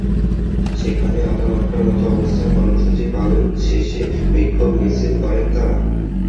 সেখানে আধা ঘণ্টার মতো অবস্থান কর্মসূচি পালন শেষে বিক্ষোভ-মিছিল করেন তাঁরা।